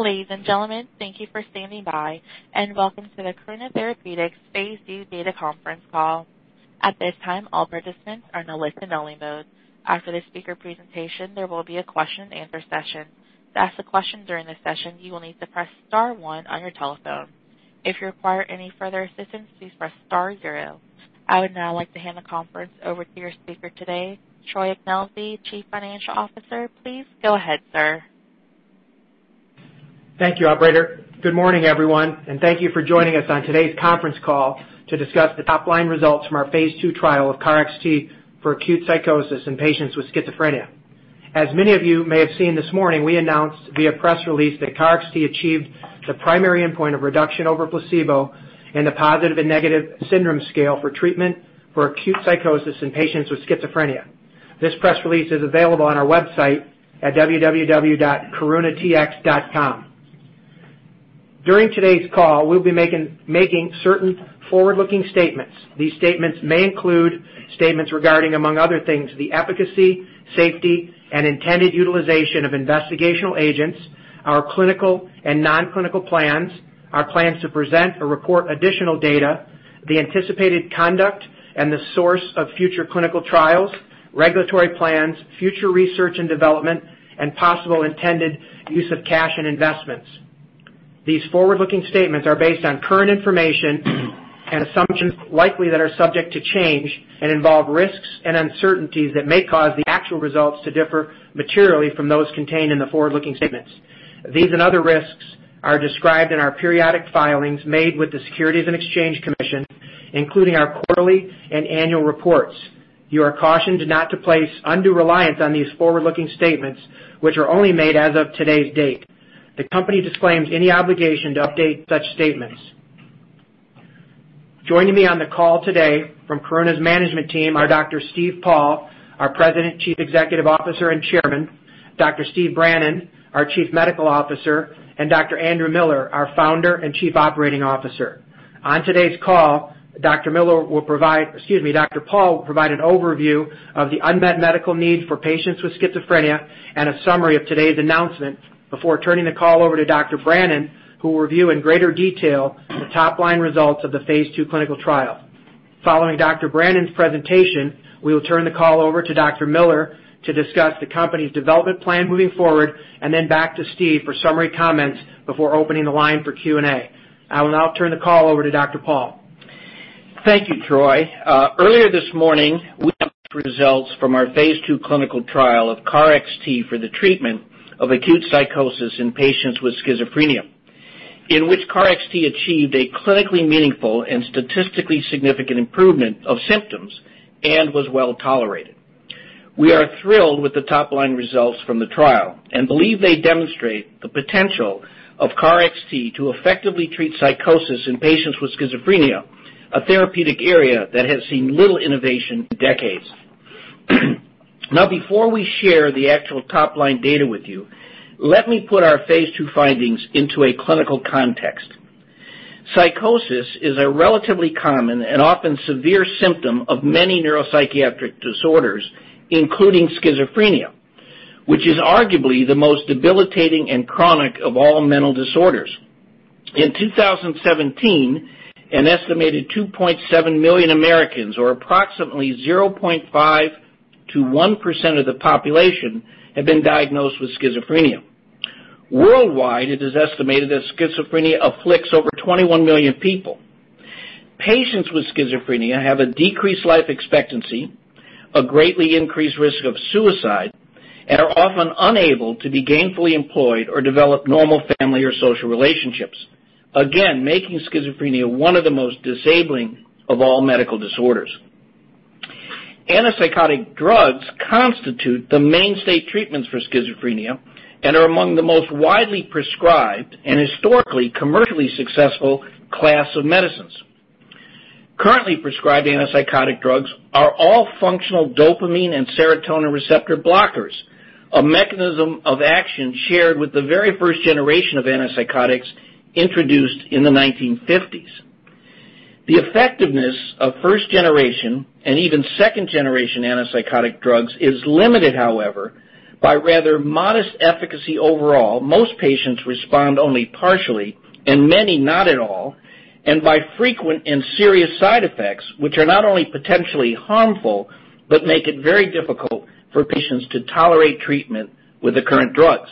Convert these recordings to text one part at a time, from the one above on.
Ladies and gentlemen, thank you for standing by and welcome to the Karuna Therapeutics Phase II Data Conference Call. At this time, all participants are in a listen-only mode. After the speaker presentation, there will be a question and answer session. To ask a question during this session, you will need to press star one on your telephone. If you require any further assistance, please press star zero. I would now like to hand the conference over to your speaker today, Troy Ignelzi, Chief Financial Officer. Please go ahead, sir. Thank you, operator. Good morning everyone, and thank you for joining us on today's conference call to discuss the top-line results from our phase II trial of KarXT for acute psychosis in patients with schizophrenia. As many of you may have seen this morning, we announced via press release that KarXT achieved the primary endpoint of reduction over placebo in the Positive and Negative Syndrome Scale for treatment for acute psychosis in patients with schizophrenia. This press release is available on our website at www.karunatx.com. During today's call, we'll be making certain forward-looking statements. These statements may include statements regarding, among other things, the efficacy, safety, and intended utilization of investigational agents, our clinical and non-clinical plans, our plans to present or report additional data, the anticipated conduct and the source of future clinical trials, regulatory plans, future research and development, and possible intended use of cash and investments. These forward-looking statements are based on current information and assumptions likely that are subject to change and involve risks and uncertainties that may cause the actual results to differ materially from those contained in the forward-looking statements. These and other risks are described in our periodic filings made with the Securities and Exchange Commission, including our quarterly and annual reports. You are cautioned not to place undue reliance on these forward-looking statements, which are only made as of today's date. The company disclaims any obligation to update such statements. Joining me on the call today from Karuna's management team are Dr. Steve Paul, our President, Chief Executive Officer, and Chairman, Dr. Steve Brannan, our Chief Medical Officer, and Dr. Andrew Miller, our Founder and Chief Operating Officer. On today's call, Dr. Paul will provide an overview of the unmet medical needs for patients with schizophrenia and a summary of today's announcement before turning the call over to Dr. Brannan, who will review in greater detail the top-line results of the phase II clinical trial. Following Dr. Brannan's presentation, we will turn the call over to Dr. Miller to discuss the company's development plan moving forward, and then back to Steve for summary comments before opening the line for Q&A. I will now turn the call over to Dr. Paul. Thank you, Troy. Earlier this morning, we announced results from our phase II clinical trial of KarXT for the treatment of acute psychosis in patients with schizophrenia, in which KarXT achieved a clinically meaningful and statistically significant improvement of symptoms and was well-tolerated. We are thrilled with the top-line results from the trial and believe they demonstrate the potential of KarXT to effectively treat psychosis in patients with schizophrenia, a therapeutic area that has seen little innovation in decades. Before we share the actual top-line data with you, let me put our phase II findings into a clinical context. Psychosis is a relatively common and often severe symptom of many neuropsychiatric disorders, including schizophrenia, which is arguably the most debilitating and chronic of all mental disorders. In 2017, an estimated 2.7 million Americans, or approximately 0.5%-1% of the population, have been diagnosed with schizophrenia. Worldwide, it is estimated that schizophrenia afflicts over 21 million people. Patients with schizophrenia have a decreased life expectancy, a greatly increased risk of suicide, and are often unable to be gainfully employed or develop normal family or social relationships. Again, making schizophrenia one of the most disabling of all medical disorders. Antipsychotic drugs constitute the mainstay treatments for schizophrenia and are among the most widely prescribed and historically commercially successful class of medicines. Currently prescribed antipsychotic drugs are all functional dopamine and serotonin receptor blockers, a mechanism of action shared with the very first generation of antipsychotics introduced in the 1950s. The effectiveness of first generation and even second-generation antipsychotic drugs is limited, however, by rather modest efficacy overall. Most patients respond only partially and many not at all, and by frequent and serious side effects, which are not only potentially harmful, but make it very difficult for patients to tolerate treatment with the current drugs,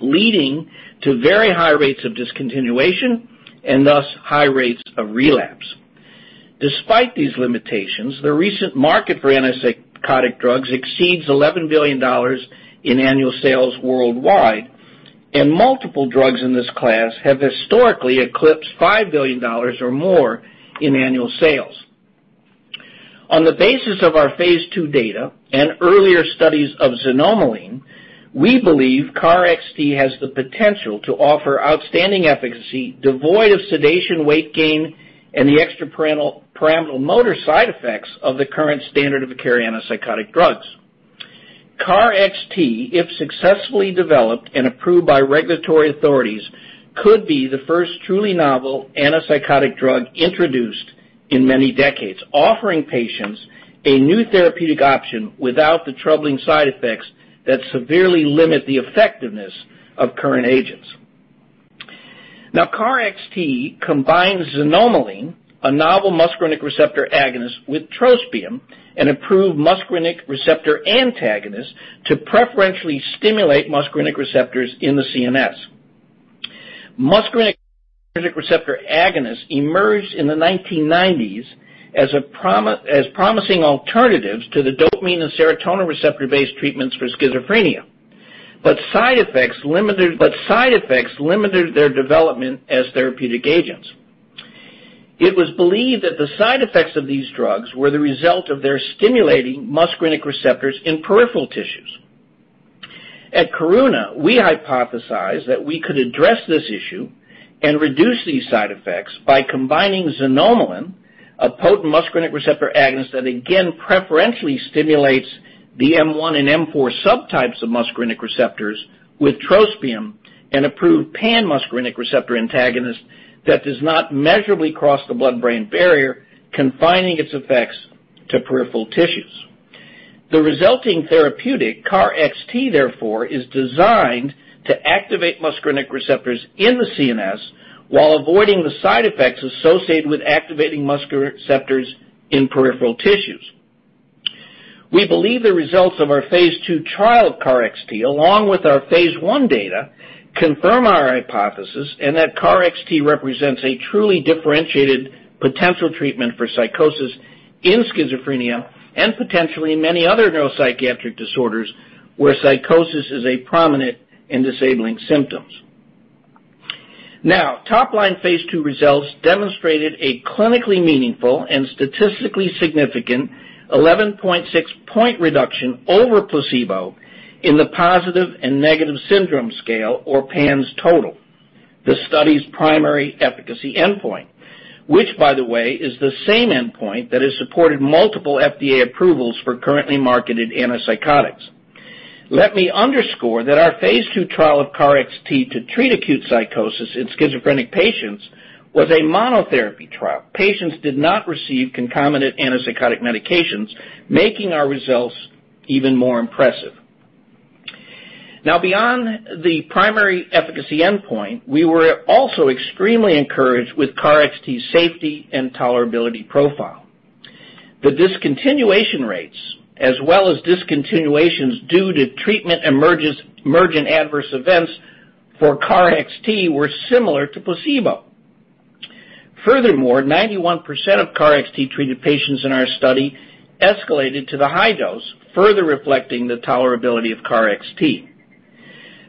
leading to very high rates of discontinuation and thus high rates of relapse. Despite these limitations, the recent market for antipsychotic drugs exceeds $11 billion in annual sales worldwide, and multiple drugs in this class have historically eclipsed $5 billion or more in annual sales. On the basis of our phase II data and earlier studies of xanomeline, we believe KarXT has the potential to offer outstanding efficacy, devoid of sedation, weight gain, and the extrapyramidal motor side effects of the current standard-of-care antipsychotic drugs. KarXT, if successfully developed and approved by regulatory authorities, could be the first truly novel antipsychotic drug introduced in many decades, offering patients a new therapeutic option without the troubling side effects that severely limit the effectiveness of current agents. KarXT combines xanomeline, a novel muscarinic receptor agonist, with trospium, an approved muscarinic receptor antagonist, to preferentially stimulate muscarinic receptors in the CNS. Muscarinic receptor agonists emerged in the 1990s as promising alternatives to the dopamine and serotonin receptor-based treatments for schizophrenia, side effects limited their development as therapeutic agents. It was believed that the side effects of these drugs were the result of their stimulating muscarinic receptors in peripheral tissues. At Karuna, we hypothesized that we could address this issue and reduce these side effects by combining xanomeline, a potent muscarinic receptor agonist that, again, preferentially stimulates the M1 and M4 subtypes of muscarinic receptors with trospium, an approved pan-muscarinic receptor antagonist that does not measurably cross the blood-brain barrier, confining its effects to peripheral tissues. The resulting therapeutic, KarXT, therefore, is designed to activate muscarinic receptors in the CNS while avoiding the side effects associated with activating muscarinic receptors in peripheral tissues. We believe the results of our phase II trial of KarXT, along with our phase I data, confirm our hypothesis, and that KarXT represents a truly differentiated potential treatment for psychosis in schizophrenia and potentially in many other neuropsychiatric disorders where psychosis is a prominent and disabling symptom. Top-line phase II results demonstrated a clinically meaningful and statistically significant 11.6 point reduction over placebo in the Positive and Negative Syndrome Scale, or PANSS Total, the study's primary efficacy endpoint, which, by the way, is the same endpoint that has supported multiple FDA approvals for currently marketed antipsychotics. Let me underscore that our phase II trial of KarXT to treat acute psychosis in schizophrenic patients was a monotherapy trial. Patients did not receive concomitant antipsychotic medications, making our results even more impressive. Beyond the primary efficacy endpoint, we were also extremely encouraged with KarXT's safety and tolerability profile. The discontinuation rates, as well as discontinuations due to treatment emergent Adverse Events for KarXT were similar to placebo. 91% of KarXT-treated patients in our study escalated to the high dose, further reflecting the tolerability of KarXT.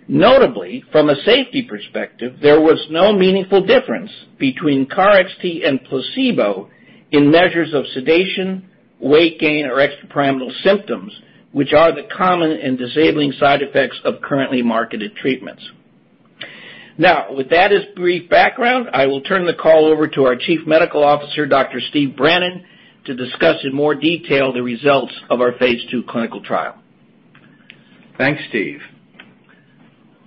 Notably, from a safety perspective, there was no meaningful difference between KarXT and placebo in measures of sedation, weight gain, or extrapyramidal symptoms, which are the common and disabling side effects of currently marketed treatments. With that as brief background, I will turn the call over to our Chief Medical Officer, Dr. Steve Brannan, to discuss in more detail the results of our phase II clinical trial. Thanks, Steve.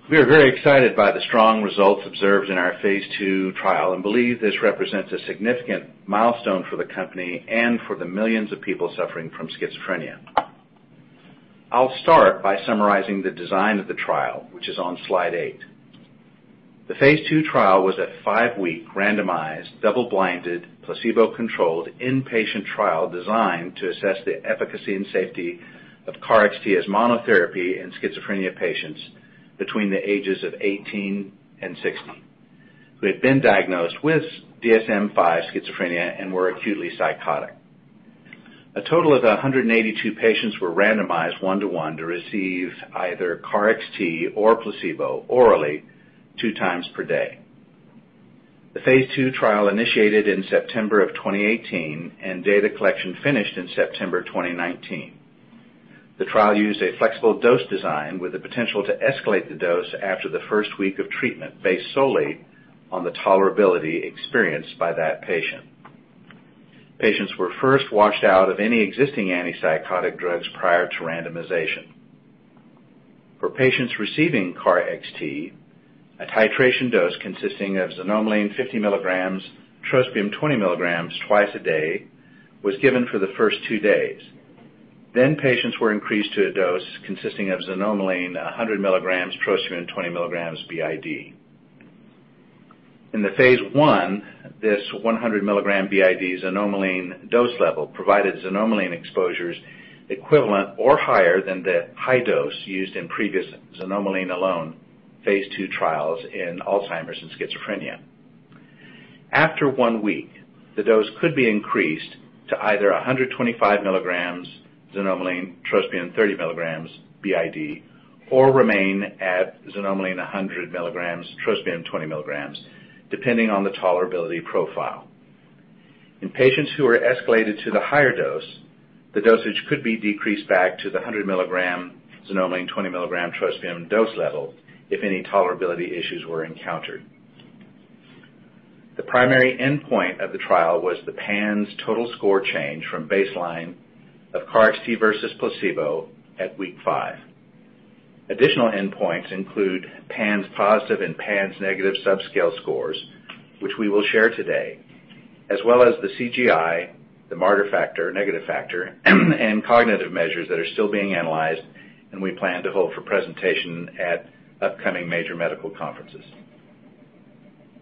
We are very excited by the strong results observed in our phase II trial and believe this represents a significant milestone for the company and for the millions of people suffering from schizophrenia. I'll start by summarizing the design of the trial, which is on slide eight. The phase II trial was a five-week, randomized, double-blinded, placebo-controlled, inpatient trial designed to assess the efficacy and safety of KarXT as monotherapy in schizophrenia patients between the ages of 18 and 60 who had been diagnosed with DSM-V schizophrenia and were acutely psychotic. A total of 182 patients were randomized one-to-one to receive either KarXT or placebo orally two times per day. The phase II trial initiated in September of 2018, and data collection finished in September 2019. The trial used a flexible dose design with the potential to escalate the dose after the first week of treatment, based solely on the tolerability experienced by that patient. Patients were first washed out of any existing antipsychotic drugs prior to randomization. For patients receiving KarXT, a titration dose consisting of xanomeline 50 milligrams, trospium 20 milligrams twice a day was given for the first 2 days. Patients were increased to a dose consisting of xanomeline 100 milligrams, trospium 20 milligrams BID. In the phase I, this 100 milligram BID xanomeline dose level provided xanomeline exposures equivalent or higher than the high dose used in previous xanomeline-alone phase II trials in Alzheimer's and schizophrenia. After one week, the dose could be increased to either 125 milligrams xanomeline, trospium 30 milligrams BID, or remain at xanomeline 100 milligrams, trospium 20 milligrams, depending on the tolerability profile. In patients who were escalated to the higher dose, the dosage could be decreased back to the 100 milligram xanomeline, 20 milligram trospium dose level if any tolerability issues were encountered. The primary endpoint of the trial was the PANSS Total score change from baseline of KarXT versus placebo at week five. Additional endpoints include PANSS Positive and PANSS Negative subscale scores, which we will share today, as well as the CGI, the Marder factor, negative factor, and cognitive measures that are still being analyzed and we plan to hold for presentation at upcoming major medical conferences.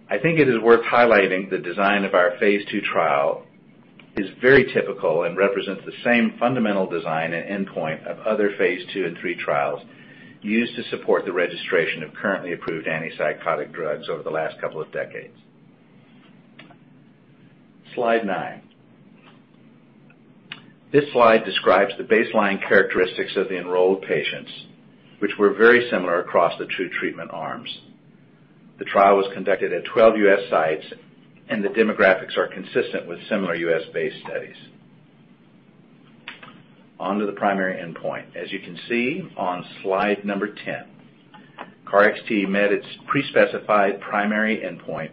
I think it is worth highlighting the design of our phase II trial is very typical and represents the same fundamental design and endpoint of other phase II and III trials used to support the registration of currently approved antipsychotic drugs over the last couple of decades. Slide nine. This slide describes the baseline characteristics of the enrolled patients, which were very similar across the two treatment arms. The trial was conducted at 12 U.S. sites. The demographics are consistent with similar U.S.-based studies. On to the primary endpoint. As you can see on slide number 10, KarXT met its pre-specified primary endpoint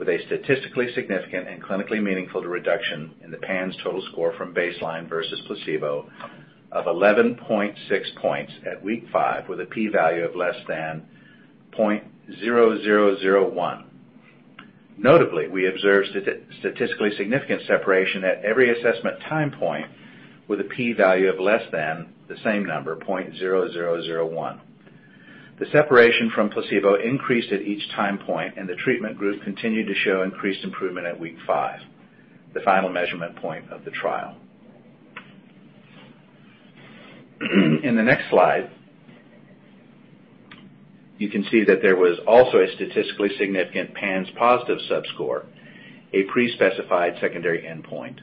with a statistically significant and clinically meaningful reduction in the PANSS Total score from baseline versus placebo of 11.6 points at week five with a P value of less than 0.0001. Notably, we observed statistically significant separation at every assessment time point with a P value of less than the same number, 0.0001. The separation from placebo increased at each time point. The treatment group continued to show increased improvement at week five, the final measurement point of the trial. In the next slide, you can see that there was also a statistically significant PANSS Positive subscore, a pre-specified secondary endpoint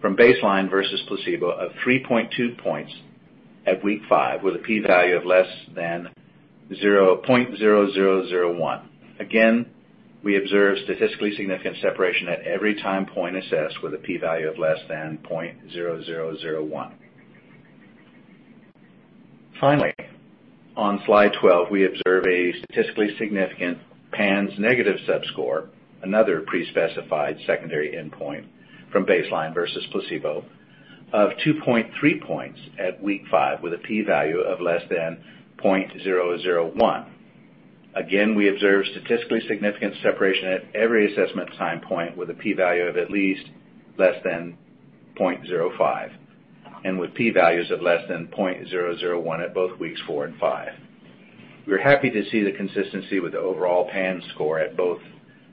from baseline versus placebo of 3.2 points at week five with a P value of less than .0001. We observed statistically significant separation at every time point assessed with a P value of less than .0001. On slide 12, we observe a statistically significant PANSS Negative subscore, another pre-specified secondary endpoint from baseline versus placebo of 2.3 points at week five with a P value of less than .001. We observed statistically significant separation at every assessment time point with a P value of at least less than .05, and with P values of less than .001 at both weeks four and five. We're happy to see the consistency with the overall PANSS score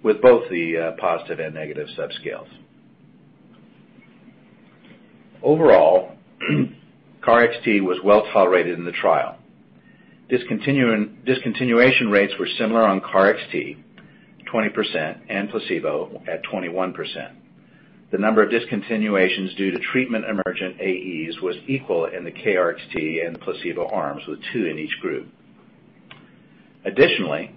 with both the Positive and Negative subscales. Overall, KarXT was well-tolerated in the trial. Discontinuation rates were similar on KarXT, 20%, and placebo at 21%. The number of discontinuations due to treatment-emergent AEs was equal in the KarXT and placebo arms with two in each group. Additionally,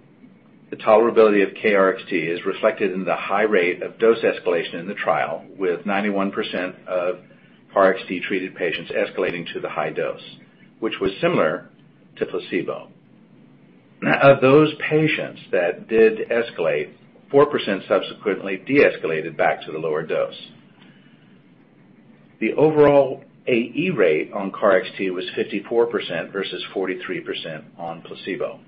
the tolerability of KarXT is reflected in the high rate of dose escalation in the trial, with 91% of KarXT-treated patients escalating to the high dose, which was similar to placebo. Of those patients that did escalate, 4% subsequently deescalated back to the lower dose. The overall AE rate on KarXT was 54% versus 43% on placebo.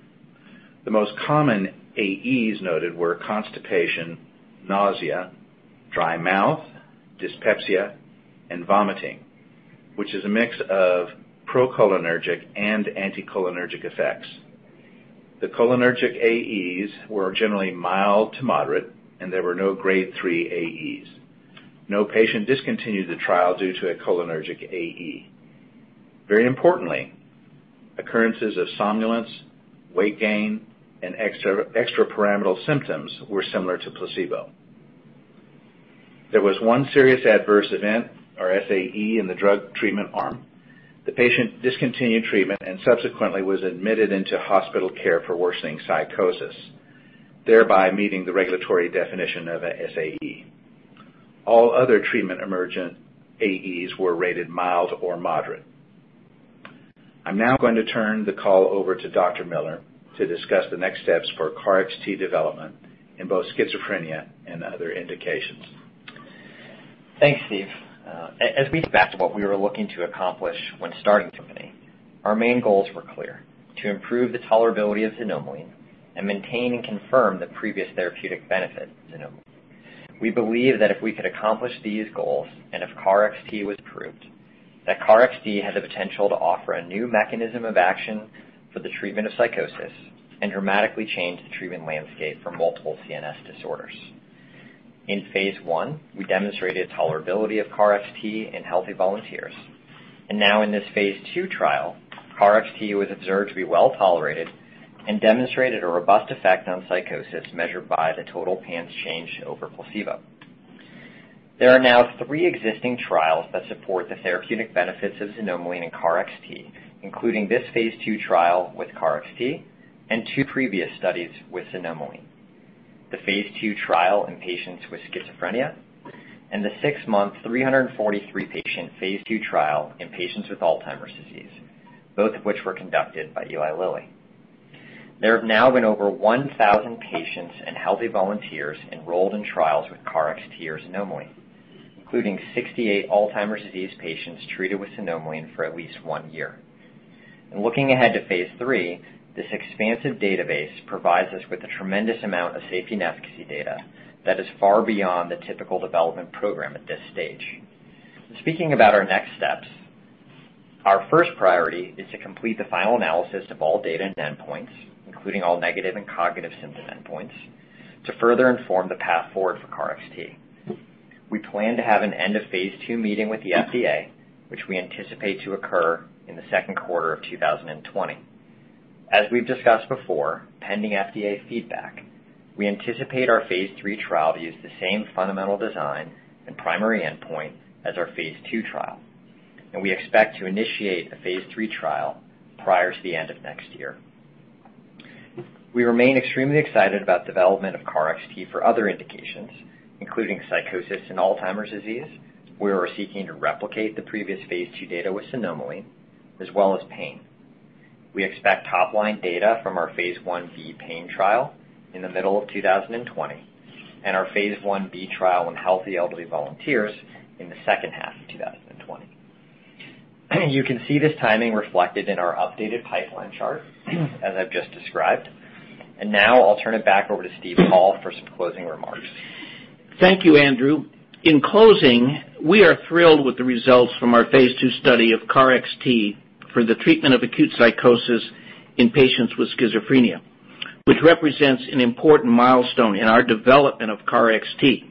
The most common AEs noted were constipation, nausea, dry mouth, dyspepsia, and vomiting, which is a mix of procholinergic and anticholinergic effects. The cholinergic AEs were generally mild to moderate, and there were no Grade 3 AEs. No patient discontinued the trial due to a cholinergic AE. Very importantly, occurrences of somnolence, weight gain, and extrapyramidal symptoms were similar to placebo. There was one serious adverse event, or SAE, in the drug treatment arm. The patient discontinued treatment and subsequently was admitted into hospital care for worsening psychosis, thereby meeting the regulatory definition of a SAE. All other treatment-emergent AEs were rated mild or moderate. I'm now going to turn the call over to Dr. Miller to discuss the next steps for KarXT development in both schizophrenia and other indications. Thanks, Steve. As we look back to what we were looking to accomplish when starting the company, our main goals were clear: to improve the tolerability of xanomeline and maintain and confirm the previous therapeutic benefit of xanomeline. We believe that if we could accomplish these goals, and if KarXT was approved, that KarXT has the potential to offer a new mechanism of action for the treatment of psychosis and dramatically change the treatment landscape for multiple CNS disorders. In Phase I, we demonstrated tolerability of KarXT in healthy volunteers, and now in this Phase II trial, KarXT was observed to be well-tolerated and demonstrated a robust effect on psychosis measured by the total PANSS change over placebo. There are now three existing trials that support the therapeutic benefits of xanomeline and KarXT, including this phase II trial with KarXT and two previous studies with xanomeline, the phase II trial in patients with schizophrenia, and the six-month 343-patient phase II trial in patients with Alzheimer's disease, both of which were conducted by Eli Lilly. There have now been over 1,000 patients and healthy volunteers enrolled in trials with KarXT or xanomeline, including 68 Alzheimer's disease patients treated with xanomeline for at least one year. Looking ahead to phase III, this expansive database provides us with a tremendous amount of safety and efficacy data that is far beyond the typical development program at this stage. Speaking about our next steps, our first priority is to complete the final analysis of all data and endpoints, including all negative and cognitive symptom endpoints, to further inform the path forward for KarXT. We plan to have an end of phase II meeting with the FDA, which we anticipate to occur in the second quarter of 2020. As we've discussed before, pending FDA feedback, we anticipate our phase III trial to use the same fundamental design and primary endpoint as our phase II trial. We expect to initiate a phase III trial prior to the end of next year. We remain extremely excited about development of KarXT for other indications, including psychosis in Alzheimer's disease, where we're seeking to replicate the previous phase II data with xanomeline, as well as pain. We expect top-line data from our phase I-B pain trial in the middle of 2020 and our phase I-B trial in healthy elderly volunteers in the second half of 2020. You can see this timing reflected in our updated pipeline chart as I've just described. Now I'll turn it back over to Steve Paul for some closing remarks. Thank you, Andrew. In closing, we are thrilled with the results from our phase II study of KarXT for the treatment of acute psychosis in patients with schizophrenia, which represents an important milestone in our development of KarXT.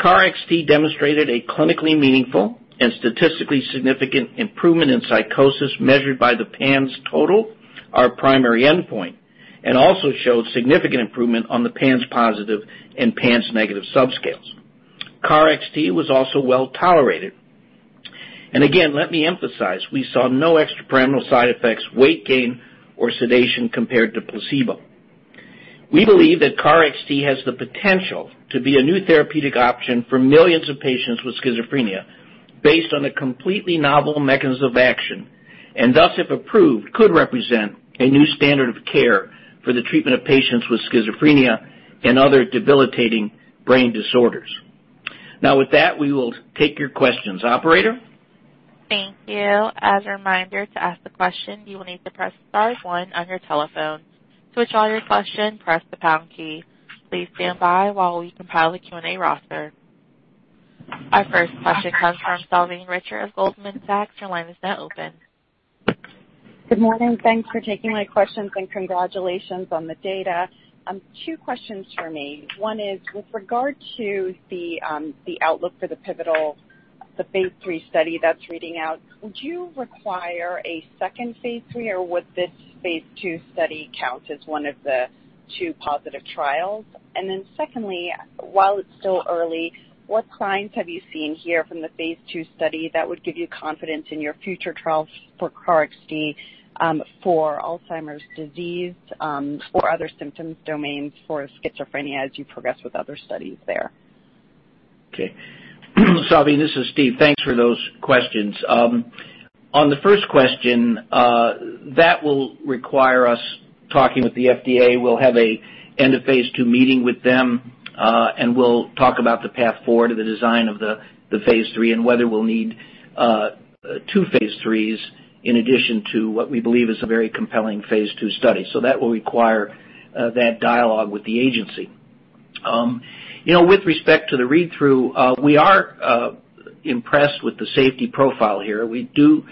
KarXT demonstrated a clinically meaningful and statistically significant improvement in psychosis measured by the PANSS Total, our primary endpoint, and also showed significant improvement on the PANSS Positive and PANSS Negative subscales. KarXT was also well-tolerated. Again, let me emphasize, we saw no extrapyramidal side effects, weight gain, or sedation compared to placebo. We believe that KarXT has the potential to be a new therapeutic option for millions of patients with schizophrenia based on a completely novel mechanism of action, and thus, if approved, could represent a new standard of care for the treatment of patients with schizophrenia and other debilitating brain disorders. With that, we will take your questions. Operator? Thank you. As a reminder, to ask the question, you will need to press *1 on your telephone. To withdraw your question, press the # key. Please stand by while we compile the Q&A roster. Our first question comes from Salveen Richter of Goldman Sachs. Your line is now open. Good morning. Thanks for taking my questions and congratulations on the data. Two questions from me. One is with regard to the outlook for the pivotal, the phase III study that's reading out. Would you require a second phase III, or would this phase II study count as one of the two positive trials? Secondly, while it's still early, what signs have you seen here from the phase II study that would give you confidence in your future trials for KarXT for Alzheimer's disease, or other symptoms domains for schizophrenia as you progress with other studies there? Okay. Salveen, this is Steve. Thanks for those questions. On the first question, that will require us talking with the FDA. We'll have an end of phase II meeting with them, we'll talk about the path forward of the design of the phase III and whether we'll need two phase IIIs in addition to what we believe is a very compelling phase II study. That will require that dialogue with the agency. With respect to the read-through, we are impressed with the safety profile here. We do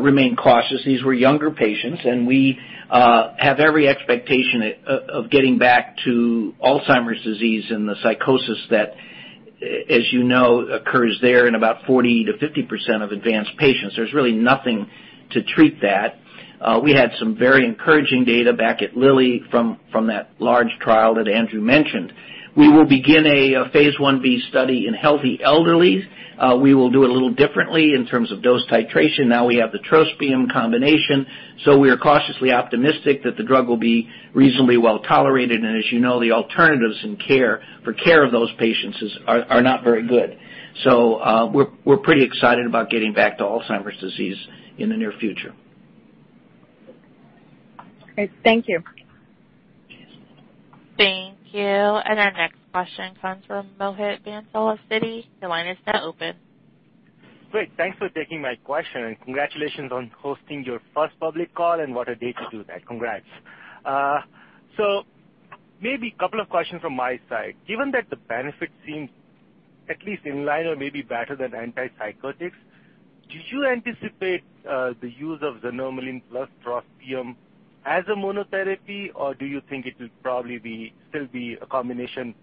remain cautious. These were younger patients, we have every expectation of getting back to Alzheimer's disease and the psychosis that, as you know, occurs there in about 40%-50% of advanced patients. There's really nothing to treat that. We had some very encouraging data back at Lilly from that large trial that Andrew mentioned. We will begin a phase I-B study in healthy elderly. We will do it a little differently in terms of dose titration. We have the trospium combination, we are cautiously optimistic that the drug will be reasonably well-tolerated. As you know, the alternatives for care of those patients are not very good. We're pretty excited about getting back to Alzheimer's disease in the near future. Great. Thank you. Thank you. Our next question comes from Mohit Bansal of Citi. Your line is now open. Great. Thanks for taking my question and congratulations on hosting your first public call and what a day to do that. Congrats. Maybe a couple of questions from my side. Given that the benefit seems at least in line or maybe better than antipsychotics, do you anticipate the use of xanomeline plus trospium as a monotherapy, or do you think it will probably still be a combination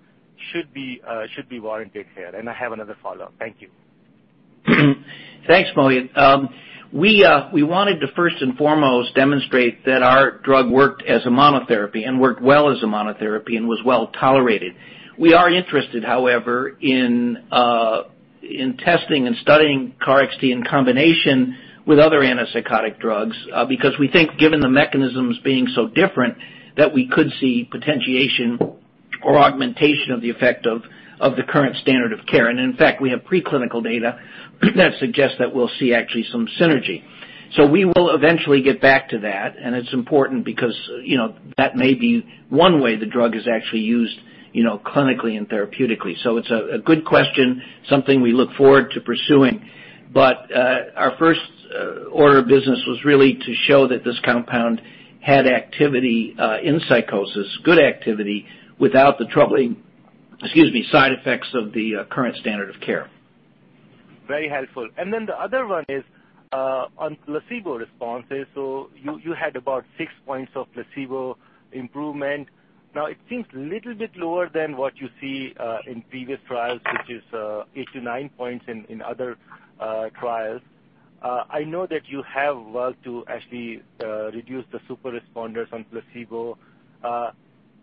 should be warranted here? I have another follow-up. Thank you. Thanks, Mohit. We wanted to first and foremost demonstrate that our drug worked as a monotherapy and worked well as a monotherapy and was well tolerated. We are interested, however, in testing and studying KarXT in combination with other antipsychotic drugs because we think given the mechanisms being so different, that we could see potentiation or augmentation of the effect of the current standard of care. In fact, we have preclinical data that suggests that we'll see actually some synergy. We will eventually get back to that, and it's important because that may be one way the drug is actually used clinically and therapeutically. It's a good question, something we look forward to pursuing. Our first order of business was really to show that this compound had activity in psychosis, good activity, without the troubling side effects of the current standard of care. Very helpful. The other one is on placebo responses. You had about six points of placebo improvement. Now, it seems a little bit lower than what you see in previous trials, which is 8-9 points in other trials. I know that you have worked to actually reduce the super responders on placebo.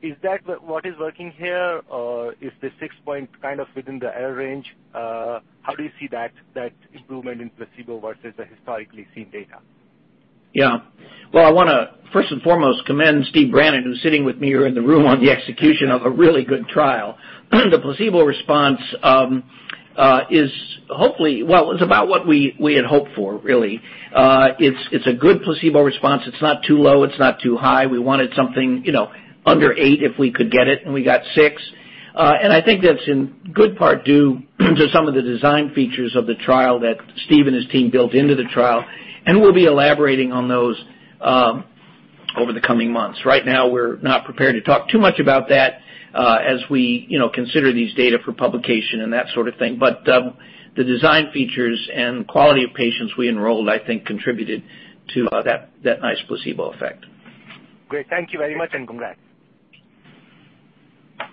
Is that what is working here, or is the six points kind of within the error range? How do you see that improvement in placebo versus the historically seen data? Well, I want to first and foremost commend Steve Brannan who's sitting with me here in the room on the execution of a really good trial. The placebo response is about what we had hoped for, really. It's a good placebo response. It's not too low, it's not too high. We wanted something under eight if we could get it. We got six. I think that's in good part due to some of the design features of the trial that Steve and his team built into the trial. We'll be elaborating on those over the coming months. Right now, we're not prepared to talk too much about that as we consider these data for publication and that sort of thing. The design features and quality of patients we enrolled, I think, contributed to that nice placebo effect. Great. Thank you very much, and congrats.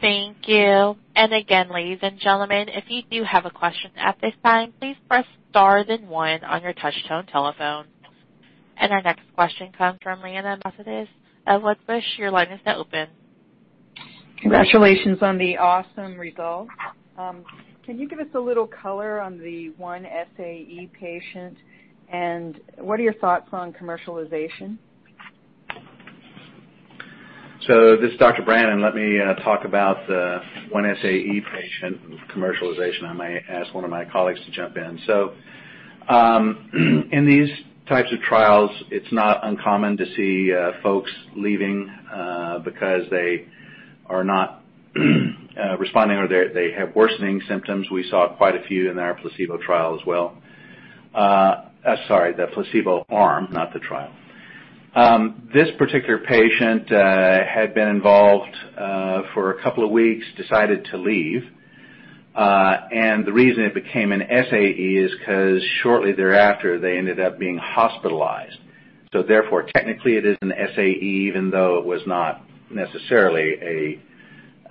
Thank you. Again, ladies and gentlemen, if you do have a question at this time, please press star then one on your touch tone telephone. Our next question comes from [Leanna Rafades of Ladenburg]. Your line is now open. Congratulations on the awesome results. Can you give us a little color on the one SAE patient, and what are your thoughts on commercialization? This is Dr. Steve Brannan. Let me talk about the one SAE patient. With commercialization, I may ask one of my colleagues to jump in. In these types of trials, it's not uncommon to see folks leaving because they are not responding or they have worsening symptoms. We saw quite a few in our placebo trial as well. Sorry, the placebo arm, not the trial. This particular patient had been involved for a couple of weeks, decided to leave. The reason it became an SAE is because shortly thereafter, they ended up being hospitalized. Therefore, technically it is an SAE, even though it was not necessarily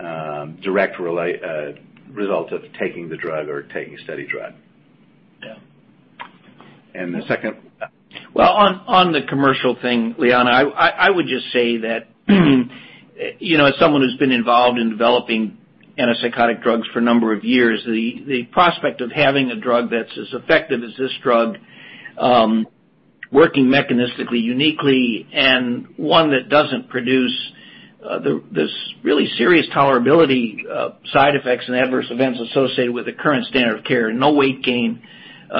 a direct result of taking the drug or taking a study drug. Yeah. And the second- Well, on the commercial thing, Leanna, I would just say that as someone who's been involved in developing antipsychotic drugs for a number of years, the prospect of having a drug that's as effective as this drug, working mechanistically, uniquely, and one that doesn't produce this really serious tolerability of side effects and adverse events associated with the current standard of care. No weight gain,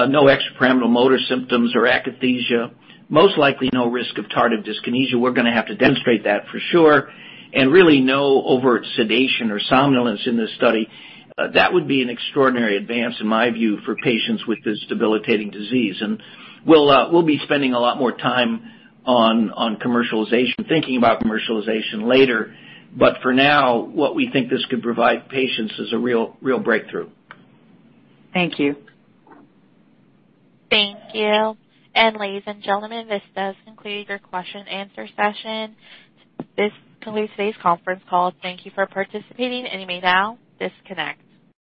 no extrapyramidal motor symptoms or akathisia. Most likely no risk of tardive dyskinesia. We're going to have to demonstrate that for sure. Really no overt sedation or somnolence in this study. That would be an extraordinary advance, in my view, for patients with this debilitating disease. We'll be spending a lot more time on commercialization, thinking about commercialization later. For now, what we think this could provide patients is a real breakthrough. Thank you. Thank you. Ladies and gentlemen, this does conclude your question and answer session. This concludes today's conference call. Thank you for participating, and you may now disconnect.